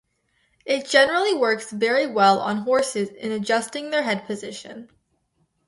It generally works very well on horses in adjusting their head position.